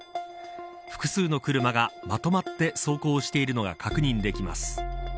複数の車がまとまって走行しているのが確認できます。